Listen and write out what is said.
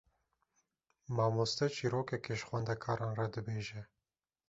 Mamoste çîrokekê ji xwendekaran re dibêje.